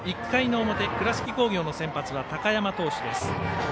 １回の表、倉敷工業の先発は高山投手です。